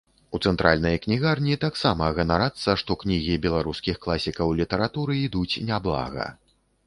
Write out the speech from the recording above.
У цэнтральнай кнігарні таксама ганарацца, што кнігі беларускіх класікаў літаратуры ідуць няблага.